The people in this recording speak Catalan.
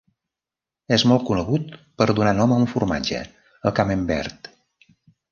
És molt conegut per donar nom a un formatge, el Camembert.